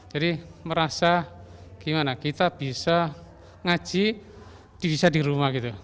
jadi merasa gimana kita bisa ngaji bisa di rumah gitu